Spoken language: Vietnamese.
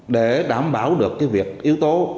để đảm bảo được cái việc yếu tố